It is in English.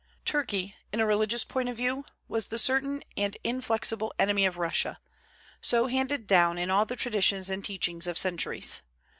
Turkey, in a religious point of view, was the certain and inflexible enemy of Russia, so handed down in all the traditions and teachings of centuries.